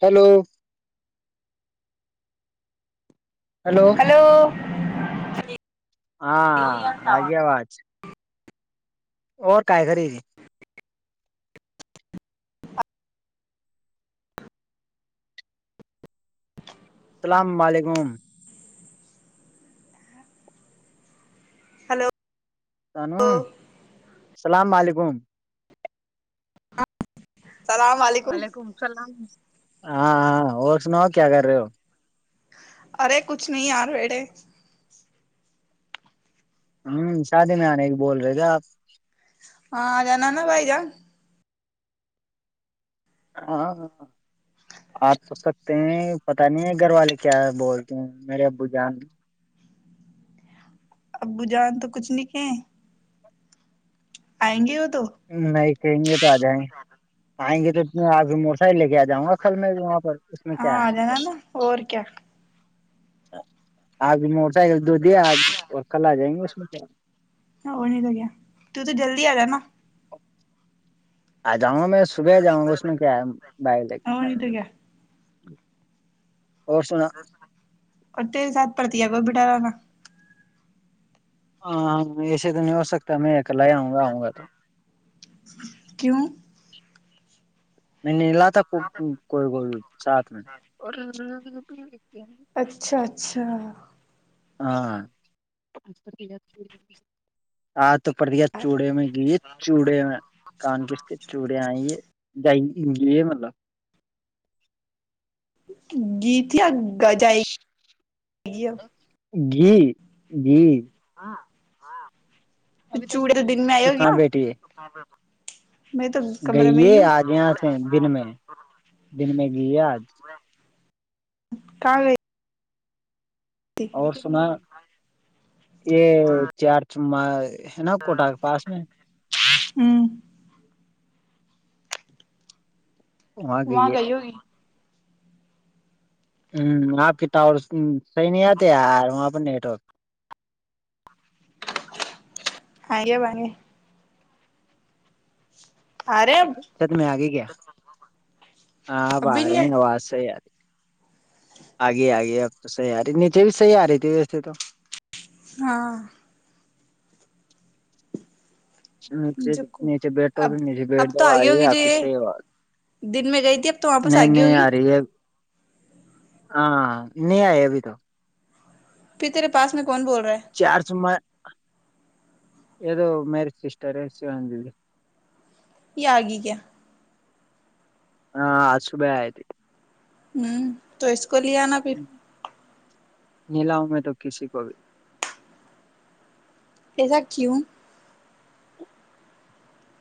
Hello hello hello ج ہاں آ گیا وات اور کاائے گی جی [unintelligible] السلام علیکم ان السلام علیکم ج وعلیکم اللام ہاں ہاں اور سناؤ کیا کر رہے ہو ارے کچھ نہیں یار وڑے ہوں شادی میں آنے کی بول رہے تھے آپ ہاں جان نا بھائی جان ہاں ہاں آپ سوچ سکتے ہیں پتہ نہیں ہے گھر والے کیا بولتے ہیں میرے ابو جان ابو جان تو کچھ نہیں کہ بیں گے تو ہ آئی کہ آ جائیں گے آئیں گے تو آج موٹر سائیکل لے کے آ جاؤں گا کل میں وہاں پر اس میں ہاں کیا آ ہے جانا نا اور کیا ہاں آپ بھی موٹر سائیکل دو دیا آج اور کل آ جائیں گے اس میں کیا اور نہیں تو کیا تو تو جلدی آ جانا آ جاؤں گا میں صبح جاؤں گا اس میں کیا ہے بائیر لے کے اور نہیں تو کیا جی اور سنا اور تیرے ساتھ پرڑتییا کوئی بٹرا نا ہاں ہاں ایسے د نوسک میں ا کلا ہی آؤں گا آؤں گا تو کیوں نہیں نہیںلا تھا کوئی کوئی ساتھ میں اور اچ اچھا اچھا ہاں آ تو پرڑ دیا چوڑے میں گیے چوڑے میں کان کس کے چوڑے آئیے جگلی ہے مطلب گیت [unintelligible] جائے گی جائے گی جی جی ہاں ہاں ابھی تک نہیں تو کہاں بیٹھی ہے میں تو کمرے میں گئیے ہی ہوں آج یہاں سے دن میں دن میں گے آج ک گ [unintelligible] اور سنا یہ ہ چار چ میں ہے نا کوٹہ کے پاس میں ہوں وہاں گئی ہوگی ہ آپ کے تو اور صحیح نہیں آتے یار وہاں پر نیٹورک آے بے [unintelligible] آ رہے اب چت میں آگ ہی گیا آاں آپ اب آ بھی نہیں رہے آئے ہیں آواز سےی آ رہی آگے آگے اب تو صحی آ رہی نیچے بھی صحیح آ رہی تھی ویسے تو ہاں نیے جو نیچے بیٹھو اب تو نیچے بیٹ اب دو تو آ آگی رہی ہے ہوگی آ جو کی یہ صحی بات دن میں گئی تھی اب تو واپس نہیں آگی نہیں ہوگی آ رہی ہے ہاں نہیں آئے ابھی تو پ تیرے پاس میں [unintelligible] ہے چار سم [unintelligible] یہ تو میرج سسٹر ہے شان دی آگ کیا ہاں آج صبح آئی تھے ہوں تو کو ل آناا پھر [unintelligible] نلا ہ میں تو کسی کو بھی ایسا کیوں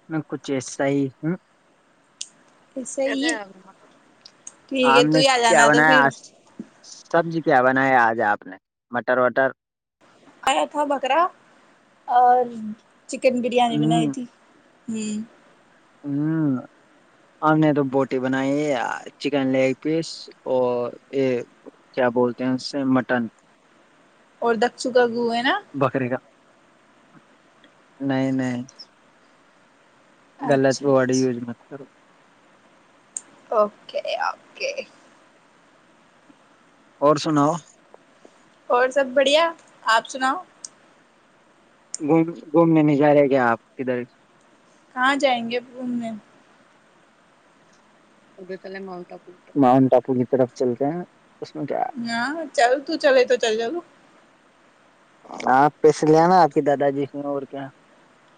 میں کچھ ایسا ہی ہوں ایسا ہی ہے ٹھیک ہے تو نے ہی آ کیا جانا بنا تو پھر ہے سبزی کیا بنایا آج آپ نے مٹر وٹر آیا تھا بکرا اور چکن بریانی بنائی تھی ہوں ہ ہمپ نے تو بوٹی بنائی ہے چکن لیگ پیس اور یہ کیا بولتے ہیں اس سے مٹن اور دکھ چکا [unintelligible] گ ہے نا [unintelligible] بکرے کا نہیں نہیں غلط اچھا وورڈ یوز اچھا م کرو اوکے اوکے اور سناؤ اور سب بڑھیا آپ سناؤ گوم گھومنے نہیں جا رہے کیا آپ کدھر کہاں جائیں گے پوم میں ؤنٹ آو ماؤنٹ آپو کی طرف چلتے ہیں اس میں کیا ہے؟ ہ چل ت چلے تو چل جا آپ پیس لے آ نا آ کے دادا جی سے اور کیا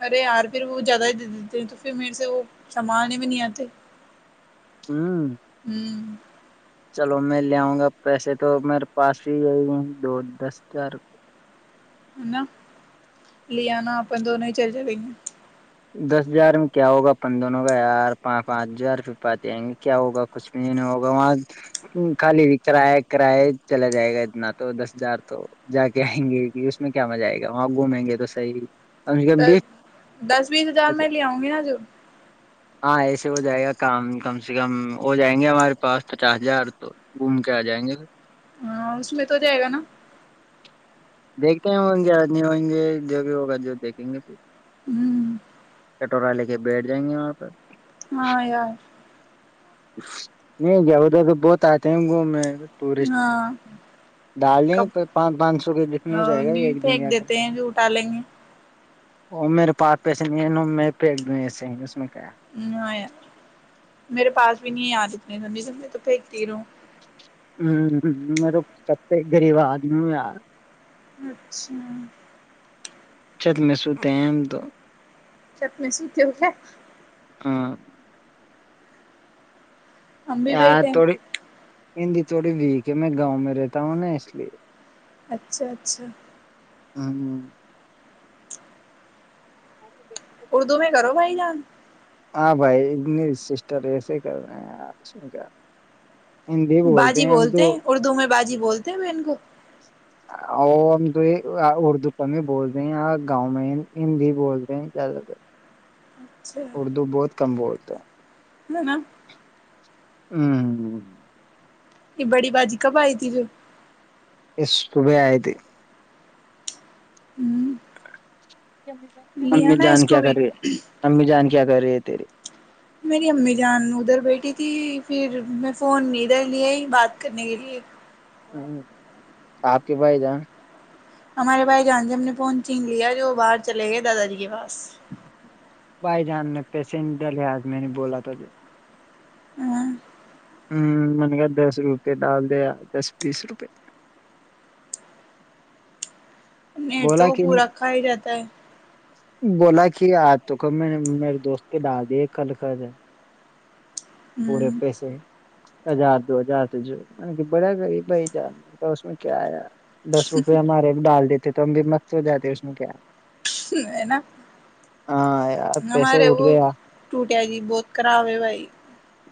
ارے یار پھر وہ زیادہ ہی دے دیتے ہیں تو پھر میرے سے وہ سام آنے میں نہیں آتے ہوں ہوں چلو میں لےؤں گا پیسے تو میرے پاس ہی ہے دو دس ہزار روپ نا ل آانا اپن دونوں ہی چل جائیں گے دس ہزار میں کیا ہوگا پند دونوں کا یار پ پانچ ہزار پ پاتے آئیں گے کیا ہوگا کچھ بھی ہوگا وہاں خالی بھی کرایہ کراائے چلا جائے گا اتنا تو دس ہزار تو جا کے آئیں گے کہ اس میں کیا مزہ آئے گا وہاں گھومیں گے تو صحیح کم سے کم دس بیس دس میں ج میں لے آؤں گی نا جو ہاں ایسے ہو جائے گا کام کم سے کم ہو جائیں گے ہمارے پاس پچاس ہزار تو گھوم کے آ جائیں گے پھر ہاں اس میں تو جائے گا نا دیکھتے ہیں ہوں گے آ نہیں ہئیں گے جو بھی ہوگا جو دیکھیں گے پھر ہوں کٹورا لے کے بیٹھ جائیں گے وہاں پہ ہاں ار نہیں گیا ادھر تو بہت آتے ہیں گ میں ٹورسٹ ہاں ڈال دیں کب گے پانچ پانچ سو کے لتنے ہو جائے گا نہیں ایک دن پھینک گ کر دیتے کے ہیں جو اٹھا لیں گے وہ میرے پاس پیسے نہیں ہیں ن پ ایک د ایسے ہیں اس میں کیا ہے۔ ہ ار میرے پاس نہیں یادنے تو پہ تروں ہ ہ میر تو کتے گغریب آدمی یار اچھا اچ چھت میں سوتے ہیں ہم تو چٹ میں سوتی ہو کیا ہاں ابی یار بیٹے تھوڑی ہندی تھوڑی ویک ہے میں گاؤں میں رہتا ہوں نا اس لیے اچھا اچھا ہ ہ ایرن ہاں بھائی ا سسٹر ایسے ہی کر رہے ہیں آپ سن کا باازی بولتے ہیں اردو میں باازی بولتے ہیں ب ان کو اور ہم تو اردو کا بھی بول رہے ہیں گاؤں میں ہندی بول رہے ہیں زیادہ تر اچھا اردو بہت ت بولتے ہے م نا ہوں یہ بڑی بازی کب آئی تھی جو اسس صبح آئے تھ لیا امی نا جان اس کیا کو بھی کر رہیے امی جان کیا کر رہیے تی میری امی جان ادھر بیٹھ تھی پھر میں فون ادھر لیا ہی بات کرنے کے لیے ہ آپ کے بھائی جان ہمارے بھائی جانج ہم نے پہنچ لیا جو باہر چلے گئے دادا جی کے پاس بھائی جان نے پیسینجر ل آج میں نے بولا تھا جو ہاں ہ من کہ دس روپئے ڈال دے دس بیس روپے م تو بولا وہ کہ پورا رکھا ہی جاتا ہے بولا کہ آج تو ک میں نے میرے دوست کے ڈال دیے کل کل پورے ہ پیسے ہزار دو ہزار تو جو م بڑا غریب بھائی جان اس میں کیا آیا دس روپے ہمارے ایک ڈال دیتے تو ہم بھی مستت ہو جاتے اس میں کیا ہےینا ہاں یار پیسے ہمارے اٹھ وہ گیا ٹوٹیا جی بہت خراب ہے بھائی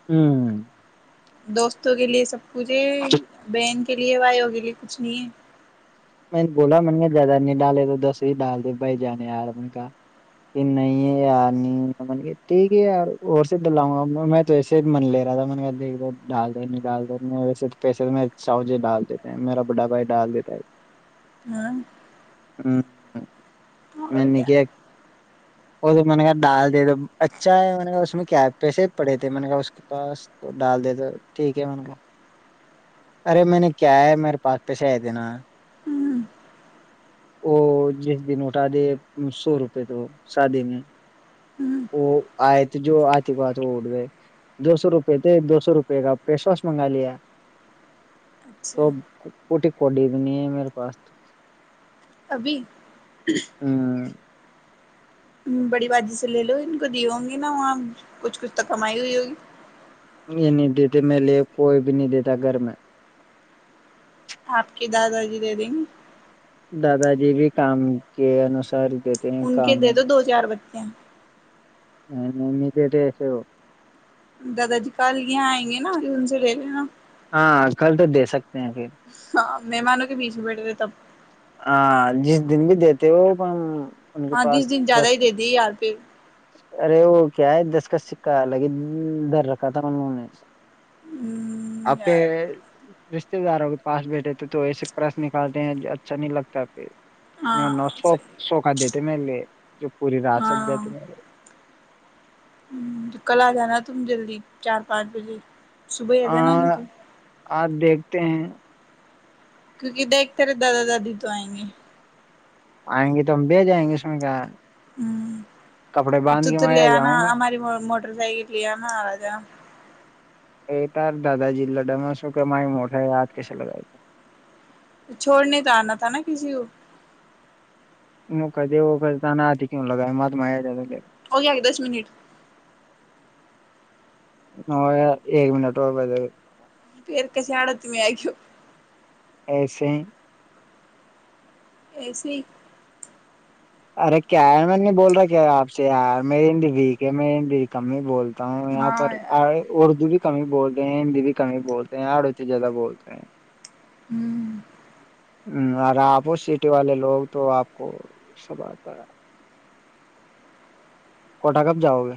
ہوں دوستوں کے لیے سب [unintelligible] کے لیے وائی ہوگی لیے کچھ نہیں ہے میں نے بولا من گ زیادہ نہیں ڈالے تو دس ہی ڈال د بھائی جان یار من کاا کہ نہیں یار نہیں ٹھیک ہے یار اور سے ڈلاؤں گا میں توسے من لے رہا تھا م دیک ڈال د نہیں ڈال د پیسےے ساؤ ج ڈال دیتے میرا بڑا بھائی ڈال دیتا ہے ہاں ہ میں نے کیا وہ تو میں نے کہا ڈال دے دو اچھا ہے نے کہ اس میں کیا پیسے پڑے تھے میں نے کہا اس کے پاس تو ڈال دے دو ٹھیک ہے میں نے کہ ارے میں نے کیا ہے میرے پاس پیسے آئے تھے نا ہوں وہ جس دن اٹھا دے سو روپئے تو شادی میں ہوں وہ آئے تھ جو آتے کو آتے وہ اٹ گئے دو سو روپئے تھے دو سو روپے کا پیش واس منگا لیا اچھا تو کوٹی [unintelligible] نہیں ہے میرے پاس تو ابھی ہ بڑی بازی سے لے لو ان کو دیے ہوں گے نا وہاں کچھ کچھ تو کمائی ہوئی ہوگی یہ نہیں دیتے میں لے کوئی بھی نہیں دیتا گھر میں اپ کی دادا جی نے دی دادا جی بھی کام کے انوسار دیتے ہیں ان کے کام تھے تو دو چار بچے م میں نہیں می جے د ایسے وہ دادا جی کل یہاں آئیں گے نا ان سے لے لینا ہاں کل تو دے سکتے ہیں پھر ہاں مہمانوں کے بیچ میں بیٹھے ہوئے تب ہاں جس دن بھی دیتے وہ ہم ان کے ہاں بیس پاس دن زیادہ ہی دس دے دی یار پھر ارے وہ کیا ہے دس کا سکہ لگے ڈر رکھا تھا انوں نے آ کے یار رشتے داروں کے پاس بیٹھے تھے تو ایسے پرس نکالتے ہیں اچھا نہیں لگتا پھر ہاں صحیح [unintelligible] مل جو پوری رات س جات ہاں مل کل آ جانا تم جلدی چار پانچ بجے صبح ہے گ نا نہیں تو آپ دیکھتے ہیں کیونکہ دیکھتے رہے دادا دادی تو آئیں گے آئیں گے تو ہم بھی جائیں گے سن کر [unintelligible] تو تو میں لے آ آنا جاؤں گا ااری م مسائی ل ن آاراجا یہ تار دادا جی لڈاا سو کہ مائی موٹے ہے آج کیسے لگایا تھا چھوڑنے تو آنا تھا نا کسی کو م کہ دے وہ کہ نہا آتی کین لگایں مات م جات ہو گ گ دس منٹ اور ایک منٹ ہو بے پیر ک چ آڑ تمی آو ایسے [unintelligible] ارے کیا میں نہیں بول رہا کیا آپ سے یار میری ہندی ویک ہے میںیری ہندی کم ہی بول تا ہوں یہاں پر ہاں آ یار اردو بھی کمی بول رہے ہیں ہندی بھی کمی بولتے ہیں آڑو چ زیادہ بولتے ہیں ہوں ہ اور آپ سٹی والے لوگ تو آپ کو سب آتا ہے کٹ کپ جاؤ گ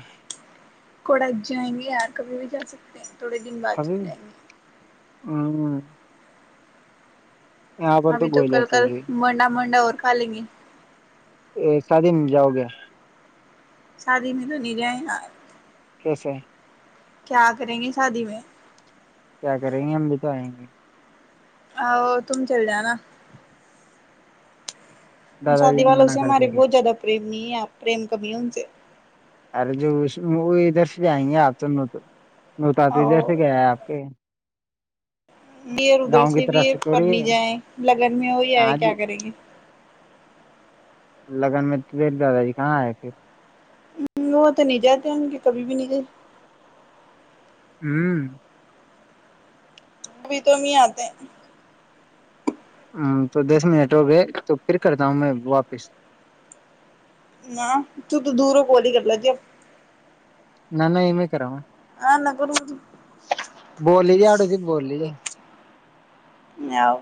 کوڑ جائیں گے یار کبھی بھی جا سکتے ہیں تھوڑے دن بعد چل جائیں گے ہاں ابھی تو گولیاں کل چل کل رہی منڈا منڈا ہو کال گ ا شادی میں جاؤ گیا شادی میں تو نہیں جائے کیسے ہیں کیا کریں گے شادی میں کیا کریں گے ہم بھی تو آئیں گے ا تم چل جانا دادا جی شادی نے والوں منع سے کر دے ہمارے گے بہت زیادہ پریم م پرریم کمی ہون سے ارے جو اس وہ ادھر سے آئیں گے آپ تو تو وہ تو تو دھر سے اور گیا ہے آپ کے یہ ادھر گاؤں کی سے بھی طرف یہ پر تھوڑی نہیں جائے لگن میں وہی آئے آج کیا کریں گے لگن میں تو دھ دادا جی کہاں آئے پھر وہ تو نہیں جاتے ان کے کبھی بھی نہیں ج ہوں بھی تو م آتے ہ تو دس منٹ ہو گئے تو پھر کرتا ہوں میں واپس نہ ت تو دور ہو کوال ہی کر ل گ نانا یہم کر رہم نہ کروں تو بولی گیا ہڈ سےی بولی آؤ۔